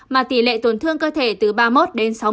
mà tỷ lệ tổn thương cơ thể từ ba mươi một đến sáu mươi